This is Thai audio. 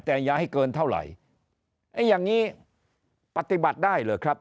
แต่อย่าให้เกินเท่าไหร่ไอ้อย่างงี้ปฏิบัติได้เหรอครับ